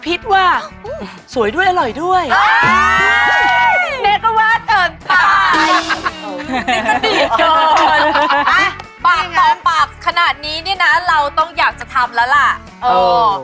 ปากปองปากขนาดนี้เราอยากจะทำเหล่าะ